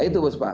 itu bos pak